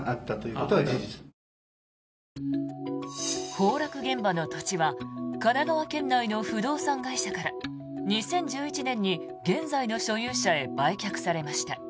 崩落現場の土地は神奈川県内の不動産会社から２０１１年に現在の所有者へ売却されました。